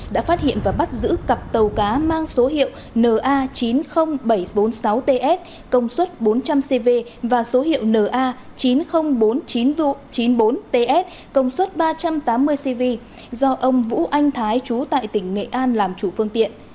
đã phát hiện và bắt giữ cặp tàu cá mang số hiệu na chín mươi nghìn bảy trăm bốn mươi sáu ts công suất bốn trăm linh cv và số hiệu na chín mươi nghìn bốn mươi chín chín mươi bốn ts công suất ba trăm tám mươi cv do ông vũ anh thái trú tại tỉnh nghệ an làm chủ phương tiện